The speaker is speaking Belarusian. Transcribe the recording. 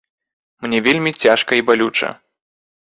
Мне вельмі цяжка і балюча.